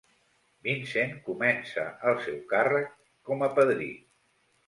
Vincent comença el seu càrrec com a padrí.